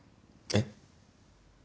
えっ？